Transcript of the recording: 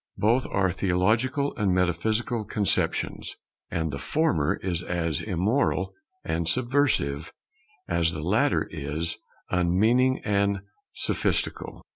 Both are theological and metaphysical conceptions; and the former is as immoral and subversive as the latter is unmeaning and sophistical.